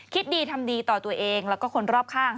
คิดดีทำดีต่อตัวเองแล้วก็คนรอบข้าง